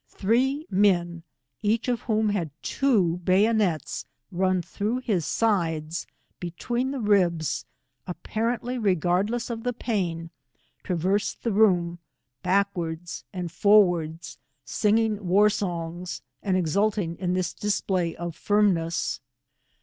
Three naea, each of whom had two bayonets run through his sides, between the ribs, apparently regardless of the pain, traver sed the room, backwards and forwards, singing war songs, and exulting in thi* display of finn ness.